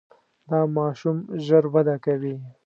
دا ماشوم ژر وده کوي.